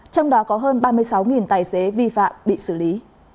trong đó có hơn ba mươi sáu tài xế vi phạm bị xử lý